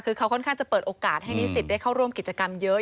คือเขาค่อนข้างจะเปิดโอกาสให้นิสิตได้เข้าร่วมกิจกรรมเยอะ